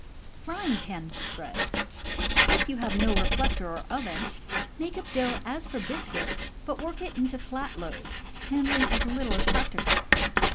Frying pan Bread. — If you have no reflector or oven, make up dough as for biscuit, but work it into flat loaves, handling as little as practicable.